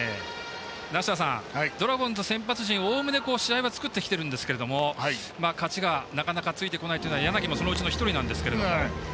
梨田さんドラゴンズ先発陣おおむね試合は作ってきているんですが勝ちがなかなかついてこないというのは柳もそのうちの１人なんですけど。